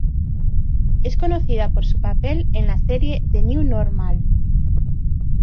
Es conocida por su papel en la serie "The New Normal".